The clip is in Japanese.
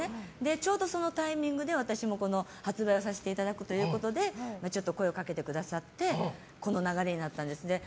ちょうどそのタイミングで私も発売させていただくということで声をかけてくださってこの流れになったんです。